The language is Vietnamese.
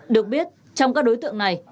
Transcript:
được biết trong các đối tượng này